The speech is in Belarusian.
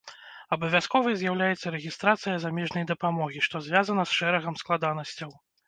Абавязковай з'яўляецца рэгістрацыя замежнай дапамогі, што звязана з шэрагам складанасцяў.